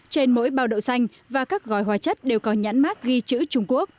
trên mỗi bao đậu xanh và các gói hóa chất đều có nhãn mát ghi chữ trung quốc